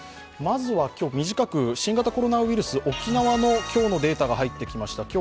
まずは今日、短く新型コロナウイルス、沖縄の今日のデータが入ってきました。